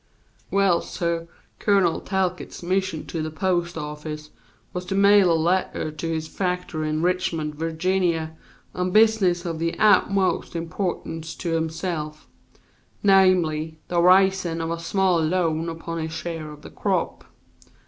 "Well, suh, Colonel Talcott's mission to the post office was to mail a letter to his factor in Richmond, Virginia, on business of the utmost importance to himself, namely, the raisin' of a small loan upon his share of the crop.